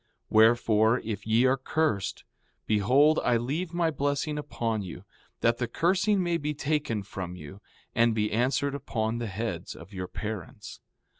4:6 Wherefore, if ye are cursed, behold, I leave my blessing upon you, that the cursing may be taken from you and be answered upon the heads of your parents.